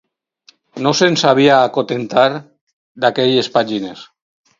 No se'n sabia acontentar d'aquelles pàgines